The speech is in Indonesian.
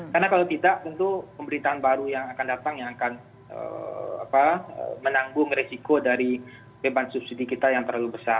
karena kalau tidak tentu pemberitaan baru yang akan datang yang akan menanggung resiko dari beban subsidi kita yang terlalu besar